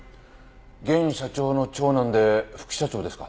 現社長の長男で副社長ですか。